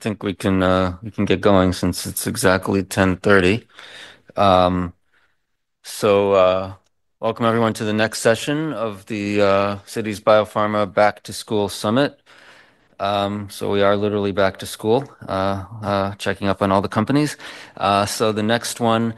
I think we can get going since it's exactly 10:30 A.M. So welcome everyone to the next session of the Citi Biopharma Back to School Summit. So we are literally back to school, checking up on all the companies. So the next one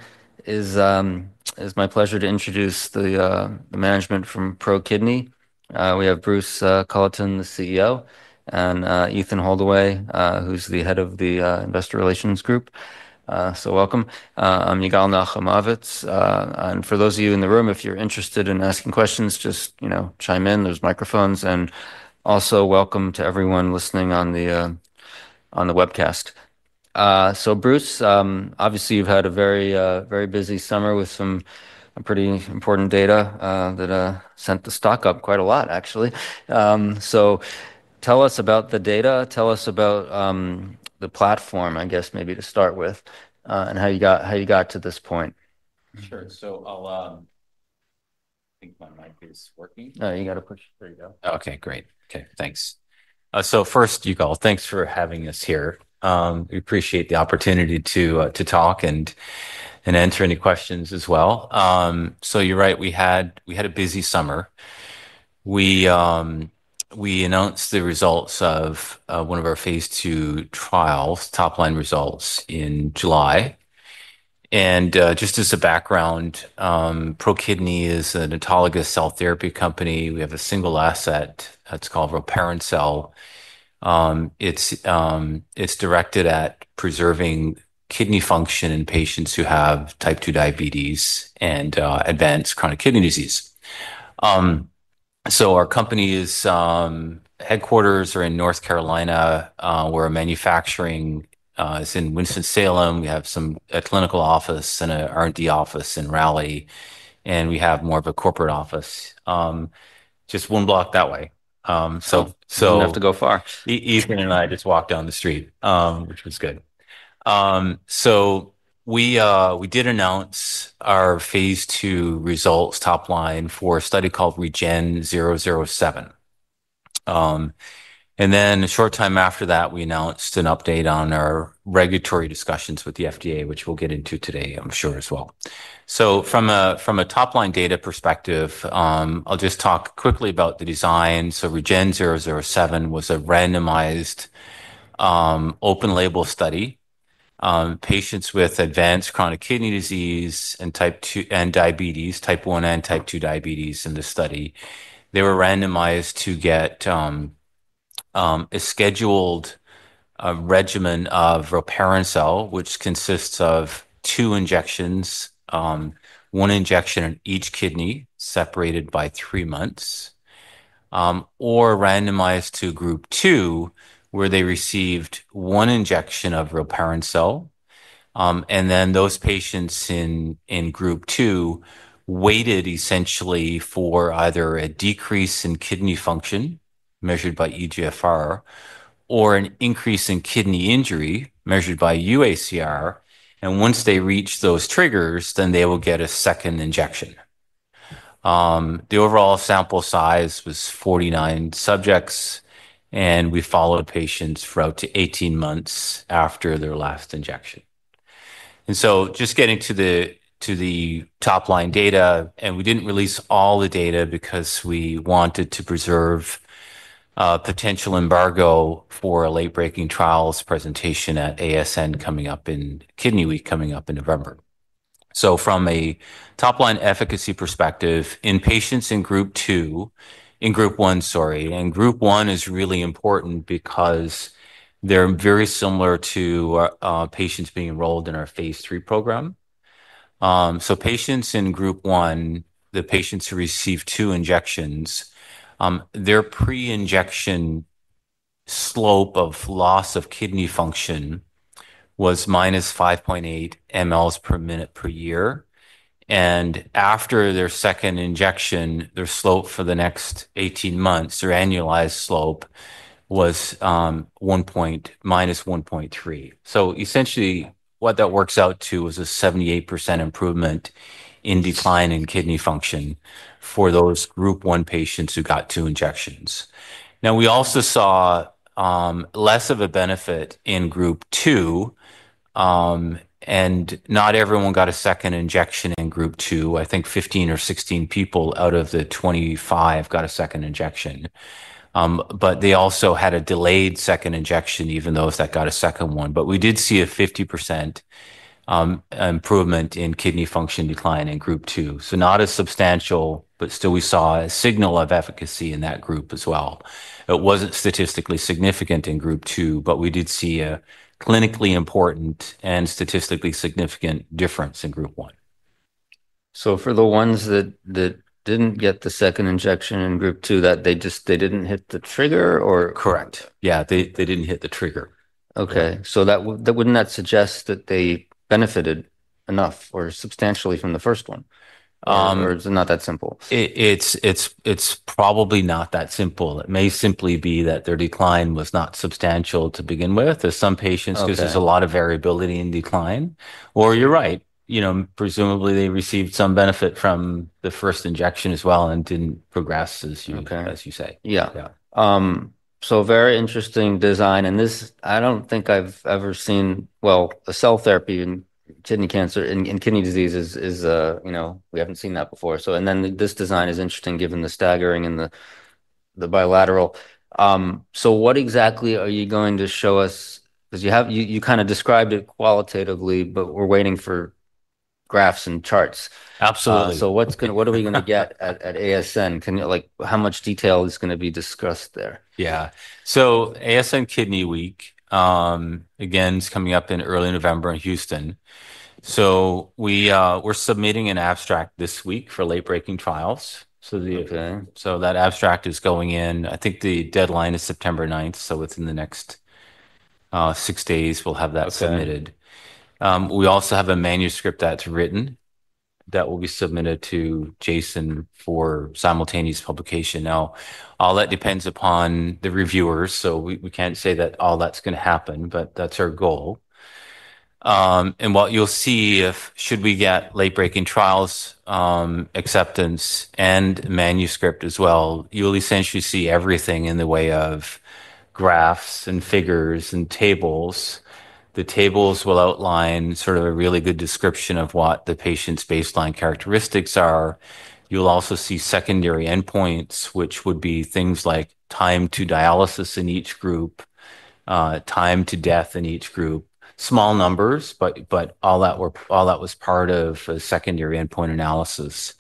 is my pleasure to introduce the management from ProKidney. We have Bruce Culleton, the CEO, and Ethan Holdaway, who's the head of the Investor Relations Group. So welcome. I'm Yigal Nochomovitz. And for those of you in the room, if you're interested in asking questions, just you know, chime in. There's microphones. And also welcome to everyone listening on the webcast. So Bruce, obviously you've had a very, very busy summer with some pretty important data that sent the stock up quite a lot, actually. So tell us about the data. Tell us about the platform, I guess, maybe to start with, and how you got to this point. Sure. So I think my mic is working. No, you gotta push. There you go. Okay, great. Okay, thanks. First, Yigal, thanks for having us here. We appreciate the opportunity to talk and answer any questions as well. You're right. We had a busy summer. We announced the results of one of our phase II trials, top line results, in July. Just as a background, ProKidney is an autologous cell therapy company. We have a single asset that's called rilparencel. It's directed at preserving kidney function in patients who have type 2 diabetes and advanced chronic kidney disease. Our company's headquarters are in North Carolina, where our manufacturing is in Winston-Salem. We have a clinical office and an R&D office in Raleigh, and we have more of a corporate office just one block that way. You don't have to go far. Ethan and I just walked down the street, which was good. So we did announce our phase II results top line for a study called REGEN-007. And then a short time after that, we announced an update on our regulatory discussions with the FDA, which we'll get into today, I'm sure, as well. So from a top line data perspective, I'll just talk quickly about the design. So REGEN-007 was a randomized, open label study. Patients with advanced chronic kidney disease and type 2, and diabetes, type 1 and type 2 diabetes in the study, they were randomized to get a scheduled regimen of rilparencel, which consists of two injections, one injection in each kidney separated by three months, or randomized to group two, where they received one injection of rilparencel. And then those patients in group two waited essentially for either a decrease in kidney function measured by eGFR or an increase in kidney injury measured by UACR. Once they reach those triggers, then they will get a second injection. The overall sample size was 49 subjects, and we followed patients for up to 18 months after their last injection. Just getting to the top line data, we didn't release all the data because we wanted to preserve potential embargo for a late-breaking trials presentation at ASN coming up in Kidney Week coming up in November. From a top line efficacy perspective, in patients in group two, in group one, sorry, and group one is really important because they're very similar to patients being enrolled in our phase III program. So patients in group one, the patients who received two injections, their pre-injection slope of loss of kidney function was minus 5.8 mL per minute per year. And after their second injection, their slope for the next 18 months, their annualized slope was -1.3. So essentially what that works out to was a 78% improvement in decline in kidney function for those group one patients who got two injections. Now, we also saw less of a benefit in group two, and not everyone got a second injection in group two. I think 15 or 16 people out of the 25 got a second injection, but they also had a delayed second injection, even those that got a second one. But we did see a 50% improvement in kidney function decline in group two. So not as substantial, but still we saw a signal of efficacy in that group as well. It wasn't statistically significant in group two, but we did see a clinically important and statistically significant difference in group one. So for the ones that didn't get the second injection in group two, that they just didn't hit the trigger or? Correct. Yeah, they, they didn't hit the trigger. Okay. So that wouldn't suggest that they benefited enough or substantially from the first one? Or is it not that simple? It's probably not that simple. It may simply be that their decline was not substantial to begin with. There's some patients, 'cause there's a lot of variability in decline. Or you're right, you know, presumably they received some benefit from the first injection as well and didn't progress as you say. Yeah. Yeah, so very interesting design. And this, I don't think I've ever seen, well, a cell therapy in kidney cancer and kidney disease, you know, we haven't seen that before. So, and then this design is interesting given the staggering and the bilateral. So what exactly are you going to show us? 'Cause you have kind of described it qualitatively, but we're waiting for graphs and charts. Absolutely. So, what's gonna, what are we gonna get at ASN? Can you, like, how much detail is gonna be discussed there? Yeah. So ASN Kidney Week, again, is coming up in early November in Houston. So we, we're submitting an abstract this week for late-breaking trials. Okay. So that abstract is going in. I think the deadline is September 9th. So within the next six days, we'll have that submitted. Okay. We also have a manuscript that's written that will be submitted to JASN for simultaneous publication. Now, all that depends upon the reviewers. So we can't say that all that's gonna happen, but that's our goal. And what you'll see if should we get late-breaking trials acceptance and manuscript as well, you'll essentially see everything in the way of graphs and figures and tables. The tables will outline sort of a really good description of what the patient's baseline characteristics are. You'll also see secondary endpoints, which would be things like time to dialysis in each group, time to death in each group, small numbers, but all that was part of a secondary endpoint analysis.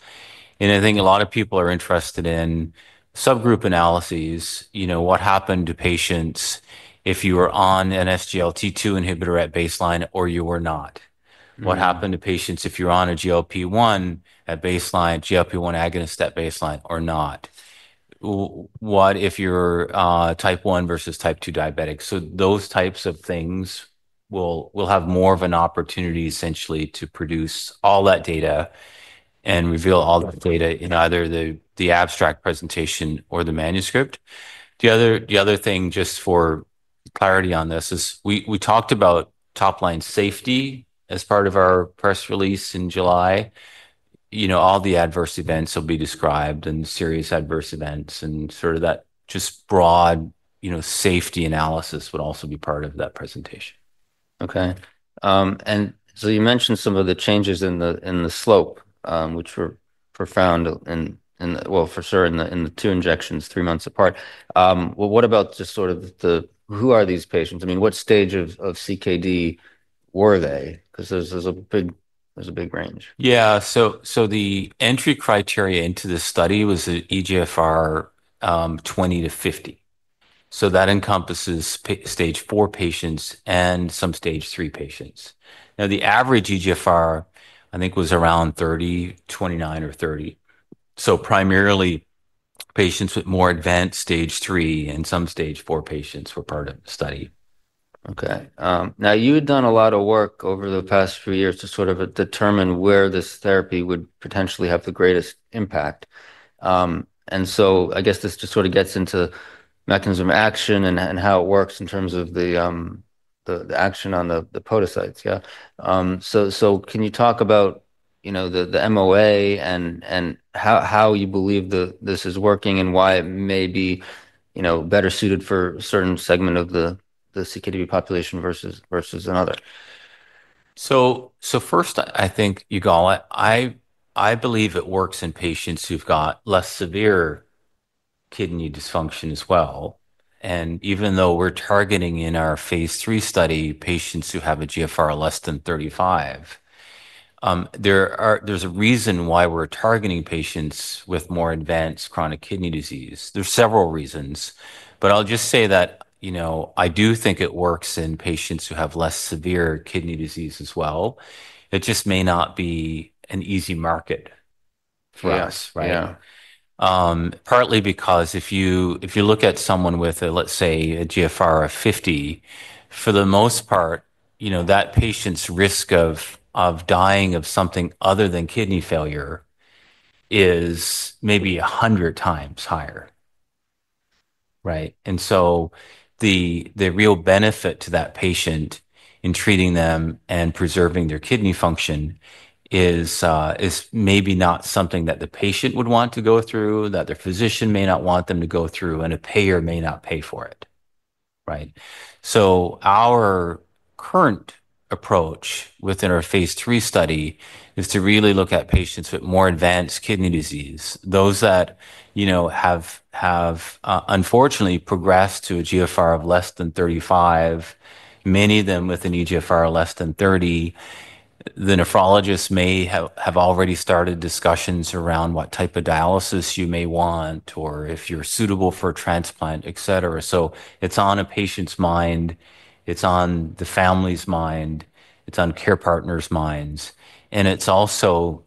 I think a lot of people are interested in subgroup analyses, you know, what happened to patients if you were on an SGLT2 inhibitor at baseline or you were not? What happened to patients if you're on a GLP-1 at baseline, GLP-1 agonist at baseline or not? What if you're type 1 versus type 2 diabetic? So those types of things will have more of an opportunity essentially to produce all that data and reveal all that data in either the abstract presentation or the manuscript. The other thing just for clarity on this is we talked about top line safety as part of our press release in July. You know, all the adverse events will be described and serious adverse events and sort of that just broad, you know, safety analysis would also be part of that presentation. Okay. And so you mentioned some of the changes in the slope, which were profound, well, for sure in the two injections three months apart. What about just sort of the, who are these patients? I mean, what stage of CKD were they? 'Cause there's a big range. Yeah. So the entry criteria into this study was the eGFR 20-50. So that encompasses stage four patients and some stage three patients. Now, the average eGFR I think was around 30, 29 or 30. So primarily patients with more advanced stage three and some stage four patients were part of the study. Okay. Now you had done a lot of work over the past few years to sort of determine where this therapy would potentially have the greatest impact. And so I guess this just sort of gets into mechanism of action and how it works in terms of the action on the podocytes. Yeah. So can you talk about, you know, the MOA and how you believe this is working and why it may be, you know, better suited for a certain segment of the CKD population versus another? First, I think, Yigal, I believe it works in patients who've got less severe kidney dysfunction as well. Even though we're targeting in our phase III study patients who have a GFR less than 35, there's a reason why we're targeting patients with more advanced chronic kidney disease. There's several reasons, but I'll just say that, you know, I do think it works in patients who have less severe kidney disease as well. It just may not be an easy market for us. Yes. Yeah. Partly because if you look at someone with, let's say, a GFR of 50, for the most part, you know, that patient's risk of dying of something other than kidney failure is maybe a hundred times higher. Right? And so the real benefit to that patient in treating them and preserving their kidney function is maybe not something that the patient would want to go through, that their physician may not want them to go through, and a payer may not pay for it. Right? So our current approach within our phase III study is to really look at patients with more advanced kidney disease, those that, you know, have unfortunately progressed to a GFR of less than 35, many of them with an eGFR less than 30. The nephrologist may have already started discussions around what type of dialysis you may want or if you're suitable for transplant, et cetera. So it's on a patient's mind, it's on the family's mind, it's on care partners' minds. And it's also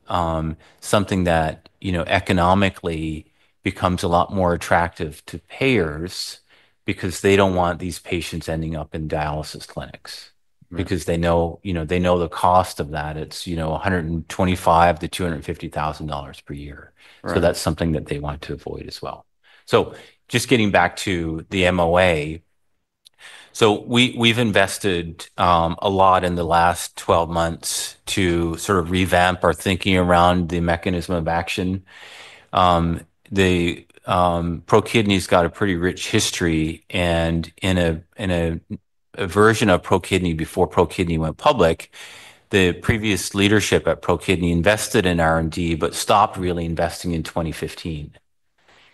something that, you know, economically becomes a lot more attractive to payers because they don't want these patients ending up in dialysis clinics because they know, you know, they know the cost of that. It's, you know, $125,000-$250,000 per year. So that's something that they want to avoid as well. So just getting back to the MOA, so we've invested a lot in the last 12 months to sort of revamp our thinking around the mechanism of action. ProKidney's got a pretty rich history. And in a version of ProKidney before ProKidney went public, the previous leadership at ProKidney invested in R&D, but stopped really investing in 2015.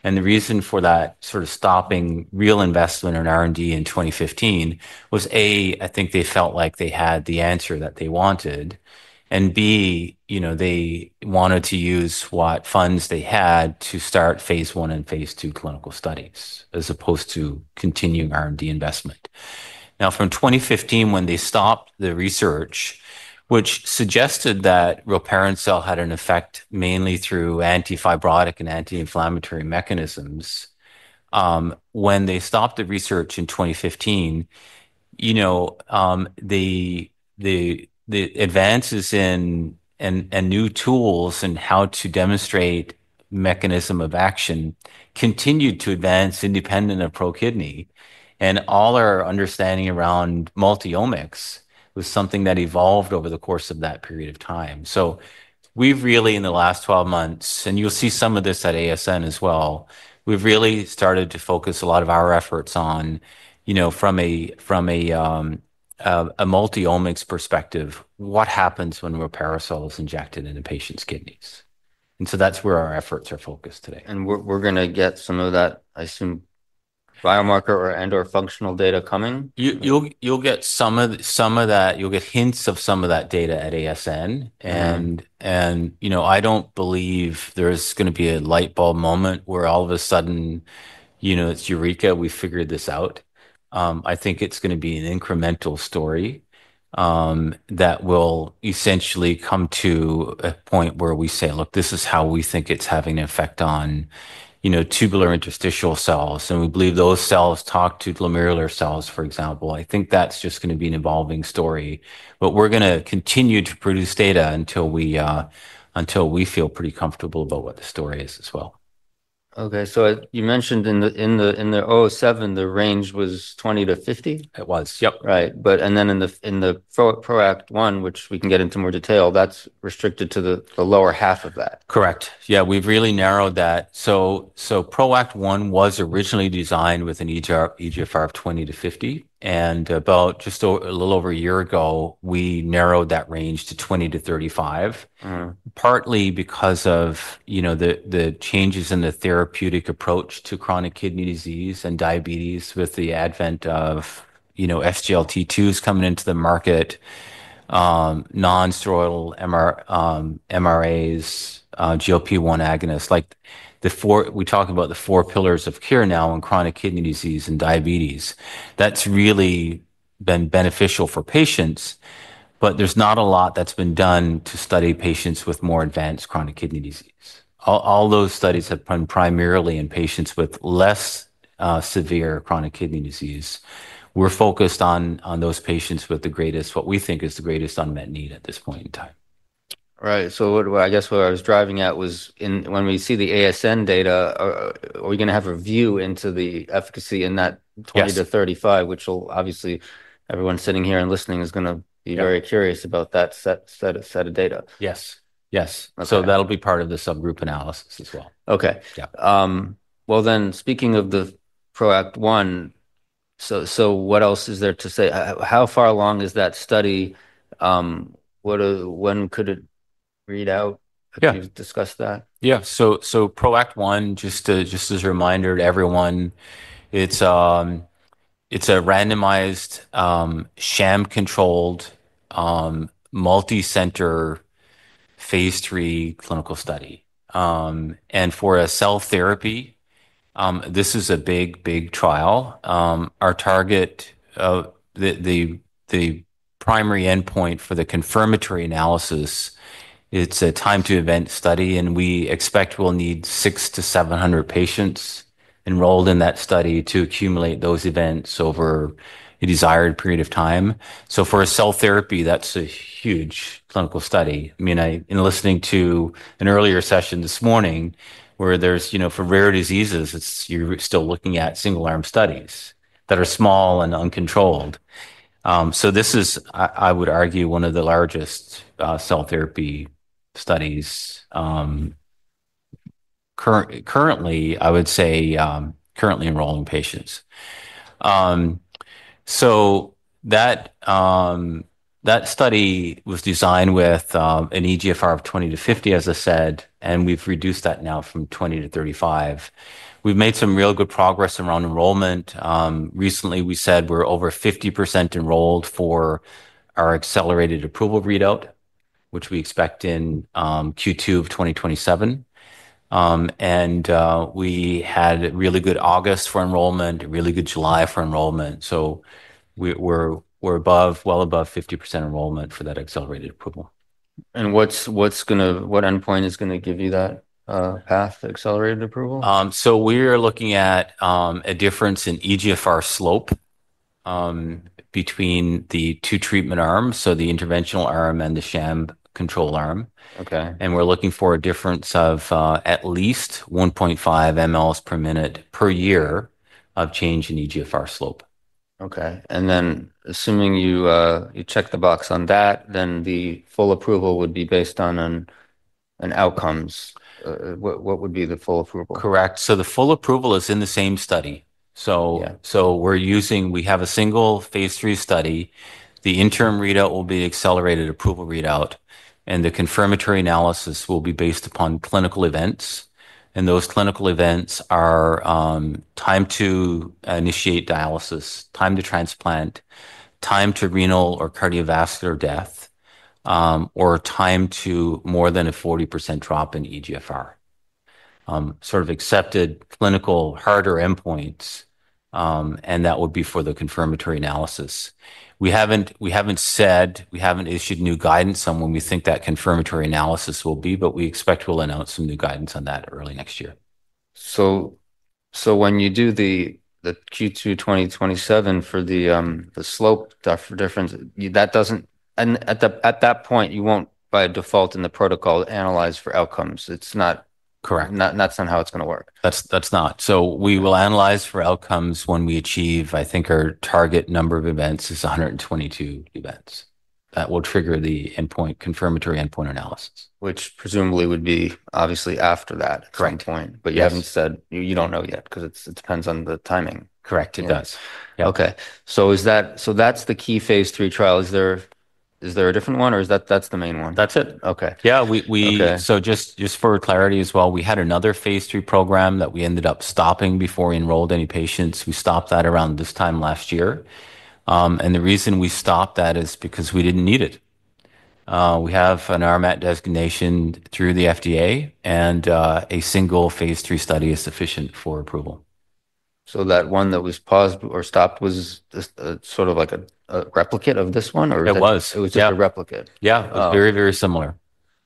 And the reason for that sort of stopping real investment in R&D in 2015 was, A, I think they felt like they had the answer that they wanted. And B, you know, they wanted to use what funds they had to start phase I and phase II clinical studies as opposed to continuing R&D investment. Now, from 2015, when they stopped the research, which suggested that rilparencel had an effect mainly through antifibrotic and anti-inflammatory mechanisms, when they stopped the research in 2015, you know, the advances in new tools and how to demonstrate mechanism of action continued to advance independent of ProKidney. All our understanding around multi-omics was something that evolved over the course of that period of time. We've really, in the last 12 months, and you'll see some of this at ASN as well, we've really started to focus a lot of our efforts on, you know, from a multi-omics perspective, what happens when rilparencel is injected into patients' kidneys. That's where our efforts are focused today. We're gonna get some of that, I assume, biomarker or, and/or functional data coming? You'll get some of that. You'll get hints of some of that data at ASN. You know, I don't believe there's gonna be a light bulb moment where all of a sudden, you know, it's Eureka, we figured this out. I think it's gonna be an incremental story that will essentially come to a point where we say, look, this is how we think it's having an effect on, you know, tubularinterstitial cells. We believe those cells talk to glomerular cells, for example. I think that's just gonna be an evolving story, but we're gonna continue to produce data until we feel pretty comfortable about what the story is as well. Okay. You mentioned in the 07, the range was 20 to 50. It was. Yep. Right, but and then in the PROACT 1, which we can get into more detail, that's restricted to the lower half of that. Correct. Yeah. We've really narrowed that. So PROACT 1 was originally designed with an eGFR of 20-50. And about just a little over a year ago, we narrowed that range to 20-35, partly because of, you know, the changes in the therapeutic approach to chronic kidney disease and diabetes with the advent of, you know, SGLT2s coming into the market, non-steroidal MRAs, GLP-1 agonists, like the four, we talk about the four pillars of care now in chronic kidney disease and diabetes. That's really been beneficial for patients, but there's not a lot that's been done to study patients with more advanced chronic kidney disease. All those studies have been primarily in patients with less severe chronic kidney disease. We're focused on those patients with the greatest, what we think is the greatest unmet need at this point in time. Right. So what I guess I was driving at was, when we see the ASN data, are we gonna have a view into the efficacy in that 20 to 35, which will obviously everyone sitting here and listening is gonna be very curious about that set of data? Yes. Yes. So that'll be part of the subgroup analysis as well. Okay. Yeah. Well, then, speaking of the PROACT 1, so what else is there to say? How far along is that study? When could it read out? Have you discussed that? Yeah. So, PROACT 1, just as a reminder to everyone, it's a randomized, sham-controlled, multi-center phase III clinical study. And for a cell therapy, this is a big trial. Our target, the primary endpoint for the confirmatory analysis, it's a time to event study, and we expect we'll need six to 700 patients enrolled in that study to accumulate those events over a desired period of time. For a cell therapy, that's a huge clinical study. I mean, in listening to an earlier session this morning where there's, you know, for rare diseases, it's, you're still looking at single-arm studies that are small and uncontrolled. This is, I would argue, one of the largest cell therapy studies currently enrolling patients. That study was designed with an eGFR of 20 to 50, as I said, and we've reduced that now from 20 to 35. We've made some real good progress around enrollment. Recently we said we're over 50% enrolled for our accelerated approval readout, which we expect in Q2 of 2027. We had a really good August for enrollment, a really good July for enrollment. We're well above 50% enrollment for that accelerated approval. What endpoint is gonna give you that path, accelerated approval? We are looking at a difference in eGFR slope between the two treatment arms, so the interventional arm and the sham control arm. Okay. We're looking for a difference of at least 1.5 mL per minute per year of change in eGFR slope. Okay, and then assuming you check the box on that, then the full approval would be based on outcomes. What would be the full approval? Correct. So the full approval is in the same study. So we're using. We have a single phase III study. The interim readout will be accelerated approval readout, and the confirmatory analysis will be based upon clinical events. And those clinical events are time to initiate dialysis, time to transplant, time to renal or cardiovascular death, or time to more than a 40% drop in eGFR, sort of accepted clinical harder endpoints. And that would be for the confirmatory analysis. We haven't said. We haven't issued new guidance on when we think that confirmatory analysis will be, but we expect we'll announce some new guidance on that early next year. So when you do the Q2 2027 for the slope difference, that doesn't and at that point you won't by default in the protocol analyze for outcomes. It's not. Correct. That's not how it's gonna work. That's not. So we will analyze for outcomes when we achieve, I think, our target number of events is 122 events that will trigger the endpoint confirmatory endpoint analysis. Which presumably would be obviously after that endpoint. Correct. But you haven't said, you don't know yet 'cause it's, it depends on the timing. Correct. It does. Yeah. Okay. So that's the key phase III trial. Is there a different one or is that the main one? That's it. Okay. Yeah. We so just for clarity as well, we had another phase III program that we ended up stopping before we enrolled any patients. We stopped that around this time last year. And the reason we stopped that is because we didn't need it. We have an RMAT designation through the FDA and a single phase III study is sufficient for approval. So that one that was paused or stopped was a sort of like a replicate of this one or? It was. It was just a replicate. Yeah. It was very, very similar.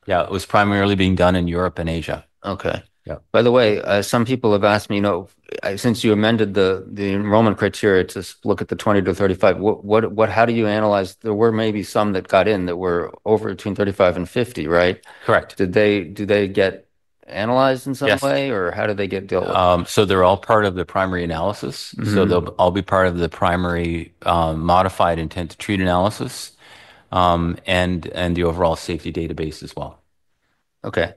Yeah. It was primarily being done in Europe and Asia. Okay. Yeah. By the way, some people have asked me, you know, since you amended the enrollment criteria to look at the 20 to 35, what, how do you analyze? There were maybe some that got in that were over between 35 and 50, right? Correct. Did they, did they get analyzed in some way or how did they get dealt with? So they're all part of the primary analysis. So they'll all be part of the primary, modified intent to treat analysis, and, and the overall safety database as well. Okay.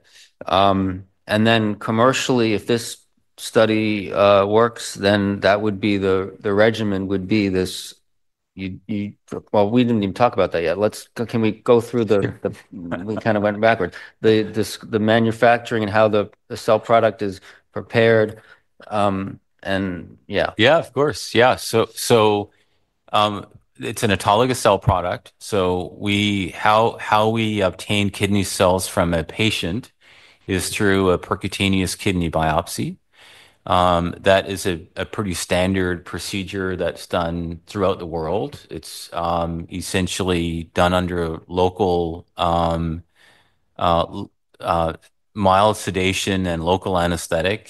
And then commercially, if this study works, then that would be the regimen would be this. Well, we didn't even talk about that yet. Let's. Can we go through? We kind of went backwards. The manufacturing and how the cell product is prepared, and yeah. Yeah, of course. Yeah. So, it's an autologous cell product. So we, how we obtain kidney cells from a patient is through a percutaneous kidney biopsy. That is a pretty standard procedure that's done throughout the world. It's essentially done under a local, mild sedation and local anesthetic.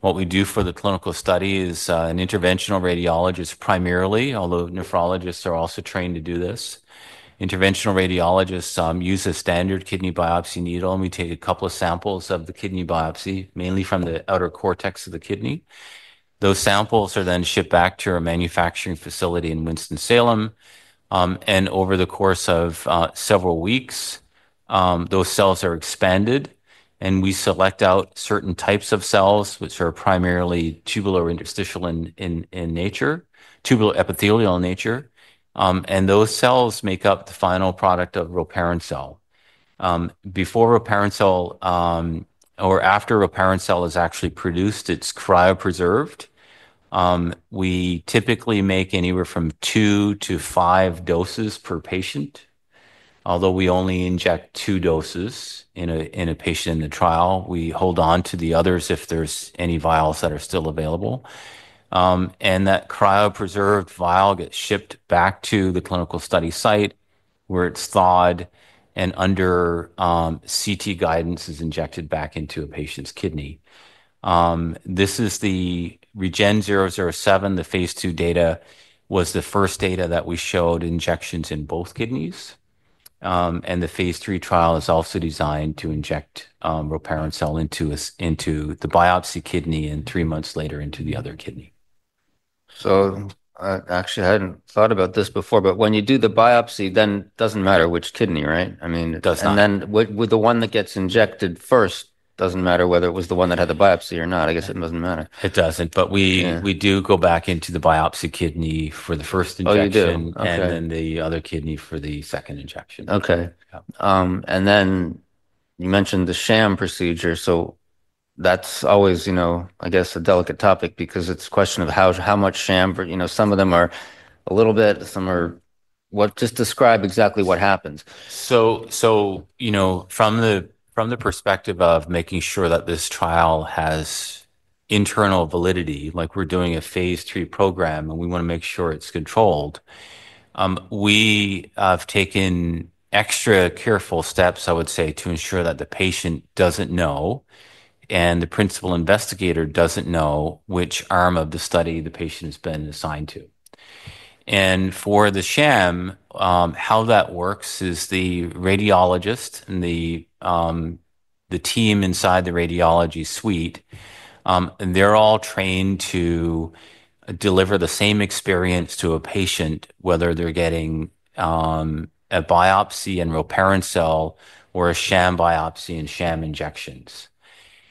What we do for the clinical study is, an interventional radiologist primarily, although nephrologists are also trained to do this. Interventional radiologists use a standard kidney biopsy needle and we take a couple of samples of the kidney biopsy, mainly from the outer cortex of the kidney. Those samples are then shipped back to our manufacturing facility in Winston-Salem, and over the course of several weeks, those cells are expanded and we select out certain types of cells, which are primarily tubular interstitial in nature, tubular epithelial in nature. And those cells make up the final product of rilparencel. Before rilparencel, or after rilparencel is actually produced, it's cryopreserved. We typically make anywhere from two to five doses per patient, although we only inject two doses in a patient in the trial. We hold on to the others if there's any vials that are still available. And that cryopreserved vial gets shipped back to the clinical study site where it's thawed and under CT guidance is injected back into a patient's kidney. This is the REGEN-007. The phase II data was the first data that we showed injections in both kidneys. And the phase III trial is also designed to inject rilparencel into the biopsy kidney and three months later into the other kidney. I actually hadn't thought about this before, but when you do the biopsy, then it doesn't matter which kidney, right? I mean. It does not. And then with the one that gets injected first, doesn't matter whether it was the one that had the biopsy or not. I guess it doesn't matter. It doesn't, but we do go back into the biopsy kidney for the first injection. Oh, you do. Okay. And then the other kidney for the second injection. Okay. And then you mentioned the sham procedure. So that's always, you know, I guess a delicate topic because it's a question of how much sham for, you know, some of them are a little bit, some are. What? Just describe exactly what happens. You know, from the perspective of making sure that this trial has internal validity, like we're doing a phase III program and we wanna make sure it's controlled, we have taken extra careful steps, I would say, to ensure that the patient doesn't know and the principal investigator doesn't know which arm of the study the patient has been assigned to. And for the sham, how that works is the radiologist and the team inside the radiology suite, they're all trained to deliver the same experience to a patient, whether they're getting a biopsy and rilparencel or a sham biopsy and sham injections.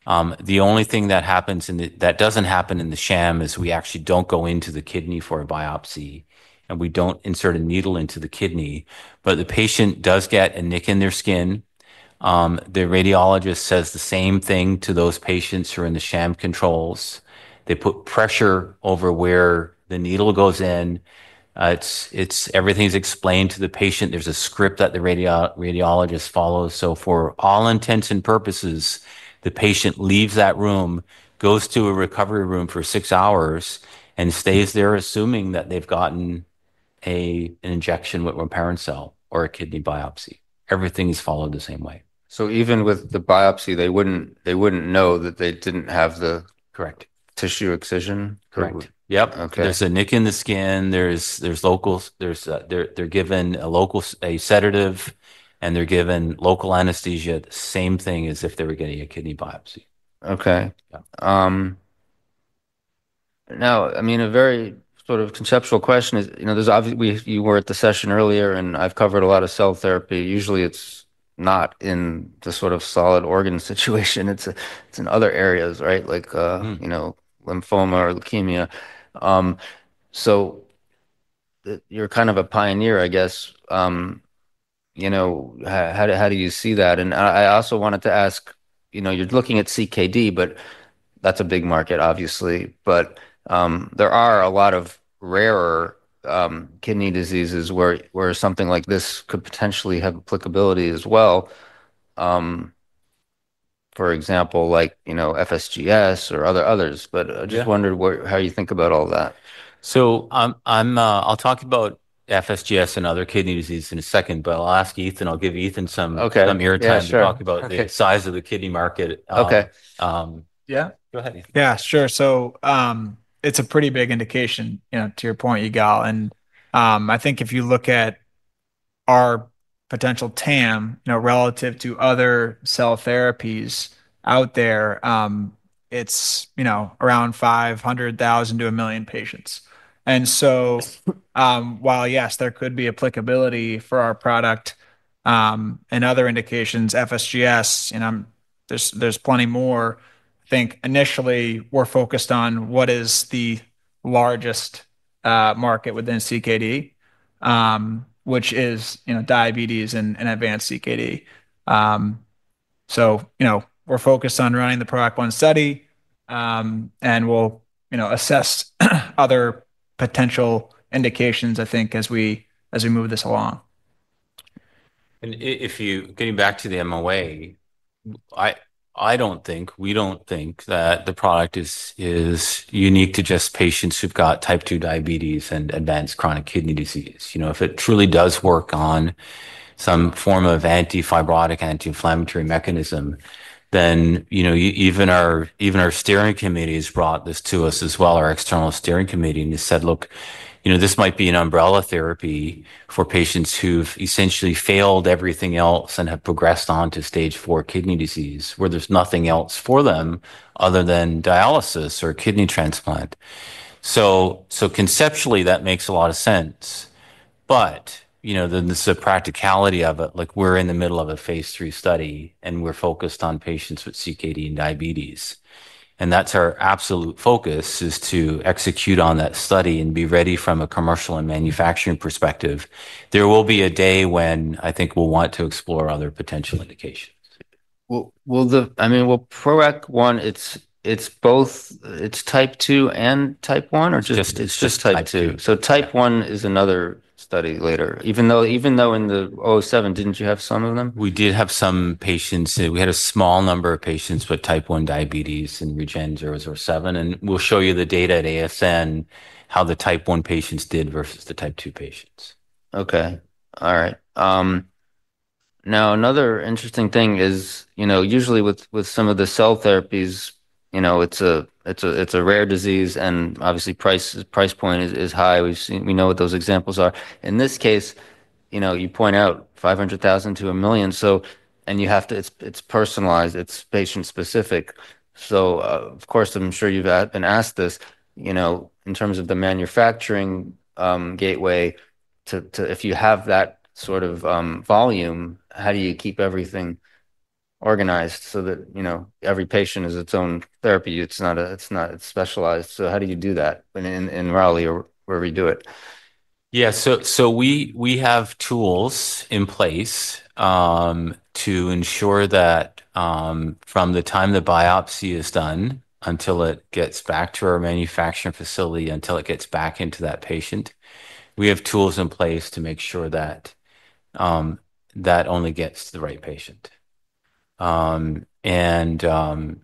The only thing that happens that doesn't happen in the sham is we actually don't go into the kidney for a biopsy and we don't insert a needle into the kidney, but the patient does get a nick in their skin. The radiologist says the same thing to those patients who are in the sham controls. They put pressure over where the needle goes in. It's everything's explained to the patient. There's a script that the radiologist follows. For all intents and purposes, the patient leaves that room, goes to a recovery room for six hours and stays there assuming that they've gotten an injection with rilparencel or a kidney biopsy. Everything is followed the same way. So even with the biopsy, they wouldn't know that they didn't have the. Correct. Tissue excision. Correct. Yep. Okay. There's a nick in the skin. There's local. They're given a local, a sedative, and local anesthesia, the same thing as if they were getting a kidney biopsy. Okay. Now, I mean, a very sort of conceptual question is, you know, there's obviously you were at the session earlier and I've covered a lot of cell therapy. Usually it's not in the sort of solid organ situation. It's in other areas, right? Like, you know, lymphoma or leukemia. So you're kind of a pioneer, I guess. You know, how do you see that? And I also wanted to ask, you know, you're looking at CKD, but that's a big market, obviously. But there are a lot of rarer kidney diseases where something like this could potentially have applicability as well. For example, like, you know, FSGS or others, but I just wondered how you think about all that. So I'm, I'll talk about FSGS and other kidney disease in a second, but I'll ask Ethan, I'll give Ethan some ear time to talk about the size of the kidney market. Okay. Yeah. Go ahead. Yeah, sure. So, it's a pretty big indication, you know, to your point, Yigal. And, I think if you look at our potential TAM, you know, relative to other cell therapies out there, it's, you know, around 500,000 to 1 million patients. And so, while yes, there could be applicability for our product, and other indications, FSGS, you know, there's, there's plenty more. I think initially we're focused on what is the largest, market within CKD, which is, you know, diabetes and, and advanced CKD. So, you know, we're focused on running the PROACT 1 study, and we'll, you know, assess other potential indications, I think, as we, as we move this along. And if you, getting back to the MOA, we don't think that the product is unique to just patients who've got type 2 diabetes and advanced chronic kidney disease. You know, if it truly does work on some form of antifibrotic anti-inflammatory mechanism, then, you know, even our steering committee has brought this to us as well, our external steering committee, and they said, look, you know, this might be an umbrella therapy for patients who've essentially failed everything else and have progressed on to stage four `kidney disease where there's nothing else for them other than dialysis or a kidney transplant. So conceptually that makes a lot of sense. But, you know, then there's a practicality of it, like we're in the middle of a phase III study and we're focused on patients with CKD and diabetes. That's our absolute focus is to execute on that study and be ready from a commercial and manufacturing perspective. There will be a day when I think we'll want to explore other potential indications. I mean, will PROACT 1, it's both type 2 and type 1 or just type 2? Type 1 is another study later, even though in the 007, didn't you have some of them? We did have some patients, we had a small number of patients with type 1 diabetes in REGEN-007, and we'll show you the data at ASN, how the type 1 patients did versus the type 2 patients. Okay. All right. Now another interesting thing is, you know, usually with some of the cell therapies, you know, it's a rare disease and obviously price point is high. We've seen. We know what those examples are. In this case, you know, you point out $500,000 to $1 million. So. And you have to. It's personalized, it's patient specific. So, of course, I'm sure you've been asked this, you know, in terms of the manufacturing, gateway to if you have that sort of volume, how do you keep everything organized so that, you know, every patient is its own therapy? It's not. It's specialized. So how do you do that in Raleigh or wherever you do it? Yeah. So we have tools in place to ensure that from the time the biopsy is done until it gets back to our manufacturing facility until it gets back into that patient, we have tools in place to make sure that only gets to the right patient, and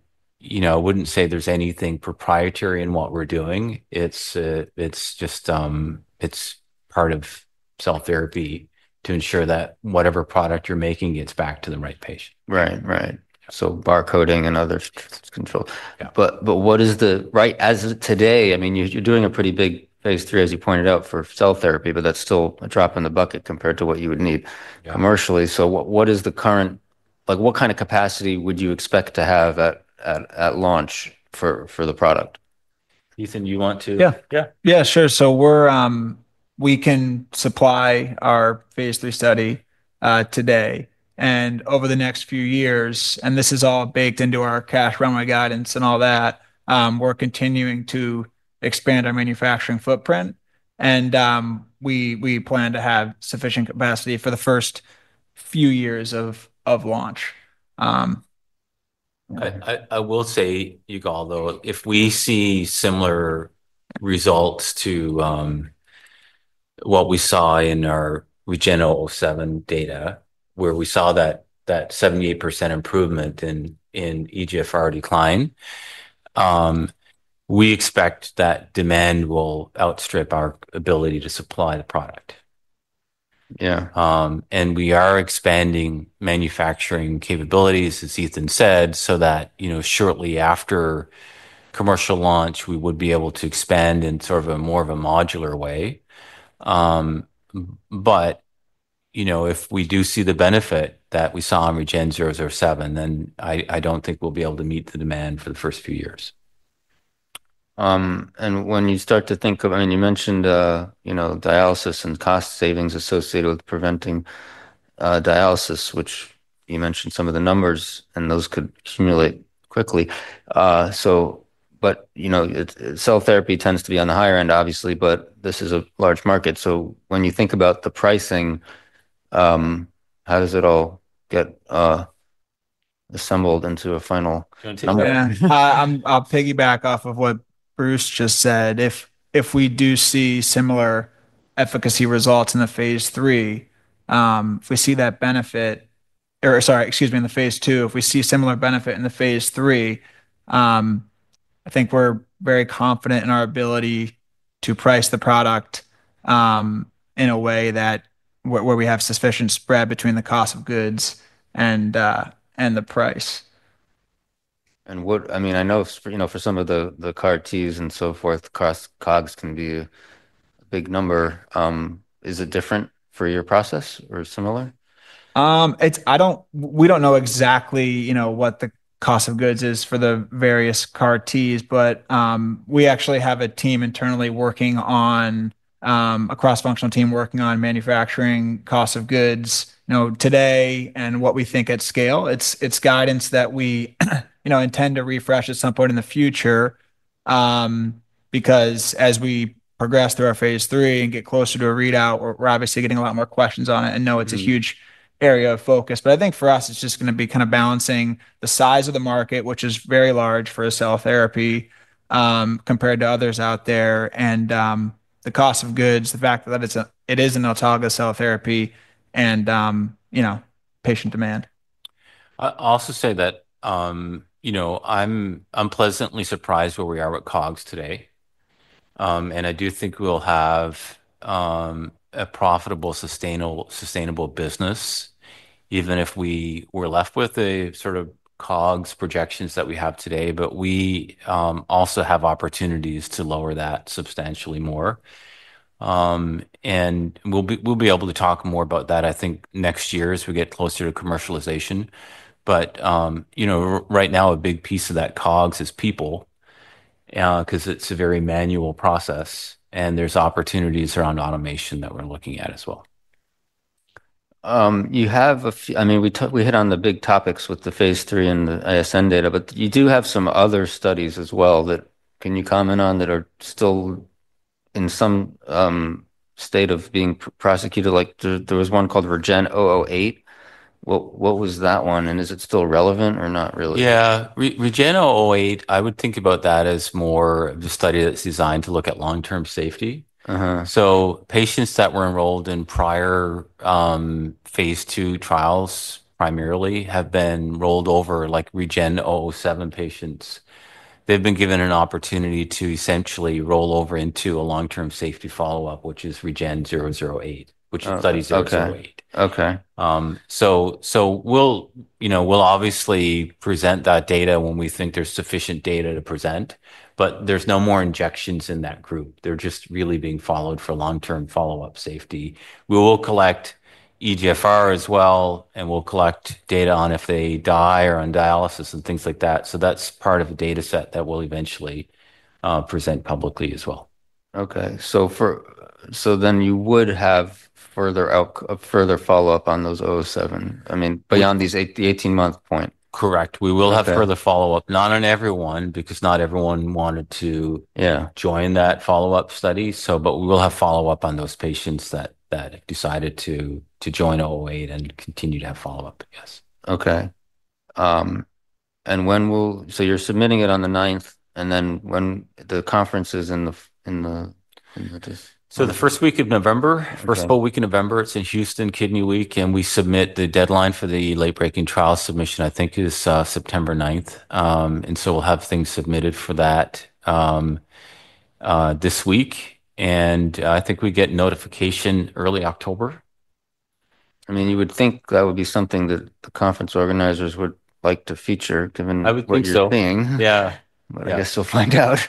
you know, I wouldn't say there's anything proprietary in what we're doing. It's just part of cell therapy to ensure that whatever product you're making gets back to the right patient. Right. Right. So barcoding and other control. Yeah. But what is the right, as of today? I mean, you're doing a pretty big phase III, as you pointed out, for cell therapy, but that's still a drop in the bucket compared to what you would need commercially. So what is the current, like, what kind of capacity would you expect to have at launch for the product? Ethan, you want to? Yeah. Yeah. Yeah, sure. So we can supply our phase III study today and over the next few years, and this is all baked into our cash runway guidance and all that. We're continuing to expand our manufacturing footprint. We plan to have sufficient capacity for the first few years of launch. I will say, Yigal, though, if we see similar results to what we saw in our REGEN-007 data, where we saw that 78% improvement in eGFR decline, we expect that demand will outstrip our ability to supply the product. Yeah. And we are expanding manufacturing capabilities, as Ethan said, so that, you know, shortly after commercial launch, we would be able to expand in sort of a more of a modular way. But, you know, if we do see the benefit that we saw in REGEN-007, then I, I don't think we'll be able to meet the demand for the first few years. And when you start to think of, I mean, you mentioned, you know, dialysis and cost savings associated with preventing dialysis, which you mentioned some of the numbers and those could accumulate quickly. So, but, you know, it, cell therapy tends to be on the higher end, obviously, but this is a large market. So when you think about the pricing, how does it all get assembled into a final? I'll piggyback off of what Bruce just said. If we do see similar efficacy results in the phase III, if we see that benefit, or sorry, excuse me, in the phase II, if we see similar benefit in the phase III, I think we're very confident in our ability to price the product, in a way that where we have sufficient spread between the cost of goods and the price. And what, I mean, I know for, you know, for some of the CAR Ts and so forth, cost COGS can be a big number. Is it different for your process or similar? It's, we don't know exactly, you know, what the cost of goods is for the various CAR Ts, but we actually have a cross-functional team working on manufacturing cost of goods, you know, today and what we think at scale. It's guidance that we, you know, intend to refresh at some point in the future because as we progress through our phase III and get closer to a readout, we're obviously getting a lot more questions on it and know it's a huge area of focus. But I think for us, it's just gonna be kind of balancing the size of the market, which is very large for a cell therapy, compared to others out there, the cost of goods, the fact that it is an autologous cell therapy and, you know, patient demand. I'll also say that, you know, I'm pleasantly surprised where we are with COGS today, and I do think we'll have a profitable, sustainable business, even if we were left with a sort of COGS projections that we have today, but we also have opportunities to lower that substantially more, and we'll be able to talk more about that, I think, next year as we get closer to commercialization, but, you know, right now, a big piece of that COGS is people, 'cause it's a very manual process and there's opportunities around automation that we're looking at as well. You have a few. I mean, we hit on the big topics with the phase III and the ASN data, but you do have some other studies as well that you can comment on that are still in some state of being prosecuted? Like, there was one called REGEN-008. What was that one? And is it still relevant or not really? Yeah. REGEN-008, I would think about that as more of a study that's designed to look at long-term safety. Uhhuh. Patients that were enrolled in prior phase II trials primarily have been rolled over, like REGEN-007 patients. They've been given an opportunity to essentially roll over into a long-term safety follow-up, which is REGEN-008. Okay. Okay. So, we'll, you know, obviously present that data when we think there's sufficient data to present, but there's no more injections in that group. They're just really being followed for long-term follow-up safety. We will collect eGFR as well, and we'll collect data on if they die or on dialysis and things like that. So that's part of the dataset that we'll eventually present publicly as well. Then you would have further follow-up on those 007, I mean, beyond these 18-month point. Correct. We will have further follow-up, not on everyone, because not everyone wanted to. Yeah. Join that follow-up study. So, but we will have follow-up on those patients that decided to join 008 and continue to have follow-up, I guess. Okay. And when will, so you're submitting it on the ninth, and then when the conference is in the? The first week of November, first full week of November, it's in Houston Kidney Week, and we submit the deadline for the late-breaking trial submission, I think it is, September 9th, and so we'll have things submitted for that, this week. I think we get notification early October. I mean, you would think that would be something that the conference organizers would like to feature given the big thing. I would think so. Yeah. But I guess we'll find out.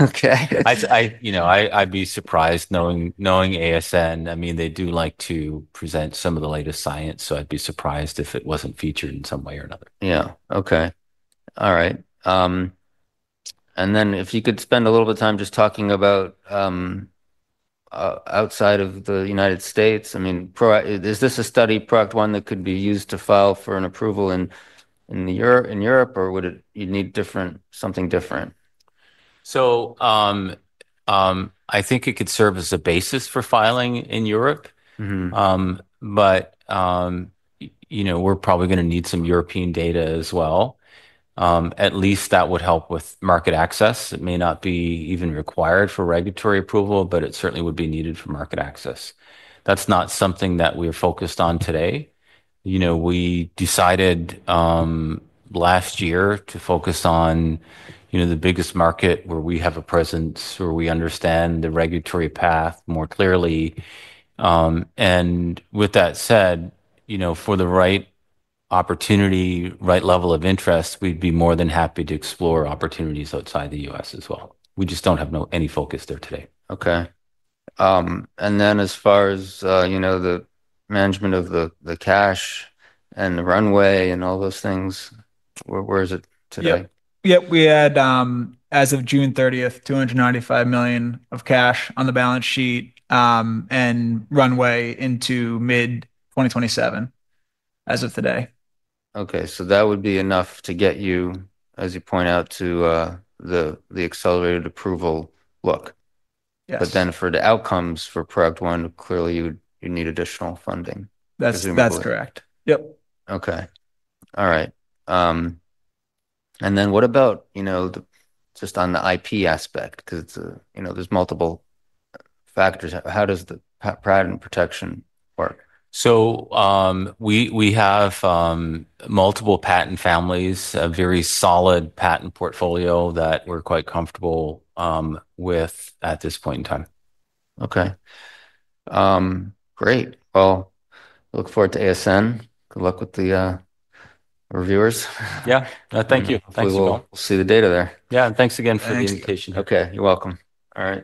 Okay. I, you know, I'd be surprised knowing ASN. I mean, they do like to present some of the latest science, so I'd be surprised if it wasn't featured in some way or another. Yeah. Okay. All right. And then if you could spend a little bit of time just talking about, outside of the United States, I mean, ProKidney, is this a study product one that could be used to file for an approval in Europe, or would you need something different? I think it could serve as a basis for filing in Europe. Mm-hmm. But, you know, we're probably gonna need some European data as well. At least that would help with market access. It may not be even required for regulatory approval, but it certainly would be needed for market access. That's not something that we are focused on today. You know, we decided last year to focus on, you know, the biggest market where we have a presence, where we understand the regulatory path more clearly. And with that said, you know, for the right opportunity, right level of interest, we'd be more than happy to explore opportunities outside the U.S. as well. We just don't have any focus there today. Okay. And then as far as, you know, the management of the cash and the runway and all those things, where is it today? Yeah. Yeah. We had, as of June 30th, $295 million of cash on the balance sheet, and runway into mid-2027 as of today. Okay. So that would be enough to get you, as you point out, to the accelerated approval look. Yes. But then, for the outcomes for product one, clearly you would need additional funding. That's correct. Yep. Okay. All right, and then what about, you know, the, just on the IP aspect, 'cause it's a, you know, there's multiple factors. How does the patent protection work? We have multiple patent families, a very solid patent portfolio that we're quite comfortable with at this point in time. Okay. Great. Well, look forward to ASN. Good luck with the reviewers. Yeah. Thank you. Thanks a lot. We'll see the data there. Yeah. And thanks again for the invitation. Okay. You're welcome. All right.